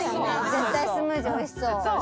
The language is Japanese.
絶対スムージーおいしそう。